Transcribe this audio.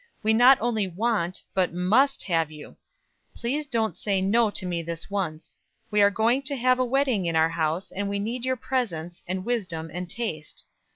We not only want, but must have you. Please don't say 'No' to me this once. We are going to have a wedding in our house, and we need your presence, and wisdom, and taste.